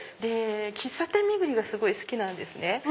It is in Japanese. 喫茶店巡りがすごい好きなんですね。